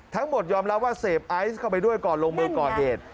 ยอมรับว่าเสพไอซ์เข้าไปด้วยก่อนลงมือก่อเหตุ